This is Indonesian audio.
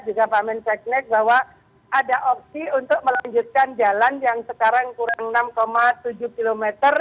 juga pak men seknek bahwa ada opsi untuk melanjutkan jalan yang sekarang kurang enam tujuh km